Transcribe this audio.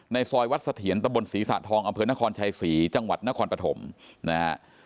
ในซอยวัดเสถียรตะบลศรีศาสตร์ทองอำเภอนครชายศรีจังหวัดนครปฐมนะครับ